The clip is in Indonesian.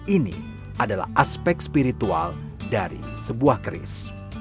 ini adalah aspek spiritual dari sebuah keris